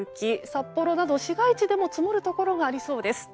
札幌だと市街地でも積もるところがありそうです。